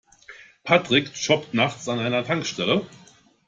Patrick jobbt nachts an einer Tankstelle.